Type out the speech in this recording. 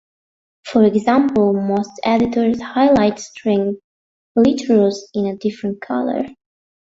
For example, most editors highlight string literals in a different color.